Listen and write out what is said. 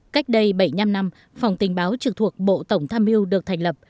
cách đây bảy mươi năm năm phòng tình báo trực thuộc bộ tổng tham mưu được thành lập